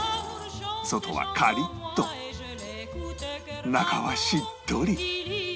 外はカリッと中はしっとり